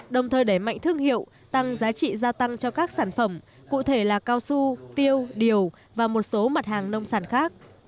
đồng thời đẩy mạnh thương hiệu tăng giá trị gia tăng cho các sản phẩm cụ thể là cao su tiêu điều và một số mặt hàng nông sản khác